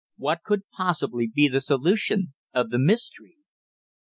What could possibly be the solution of the mystery?